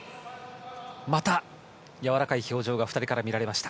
またやわらかい表情が２人から見られました。